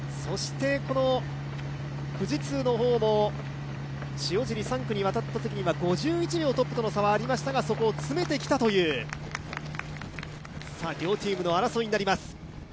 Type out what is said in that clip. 富士通の方も３区の塩尻に渡ったときには５１秒トップとの差はありましたが、そこを詰めてきたという両チームの争いになります。